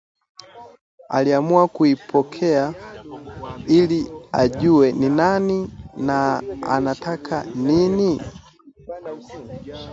Aliamua kuipokea ili ajue ni nani na anataka nini?